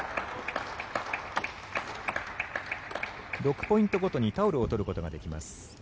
６ポイントごとにタオルを取ることができます。